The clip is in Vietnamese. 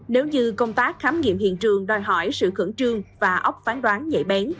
nếu như công tác khám nghiệm hiện trường đòi hỏi sự khẩn trương và ốc phán đoán nhạy bén